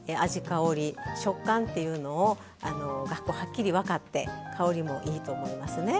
香り食感っていうのをがこうはっきり分かって香りもいいと思いますね。